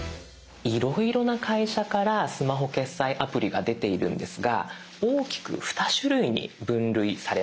いろいろな会社からスマホ決済アプリが出ているんですが大きく二種類に分類されます。